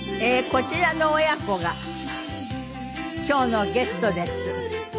こちらの親子が今日のゲストです。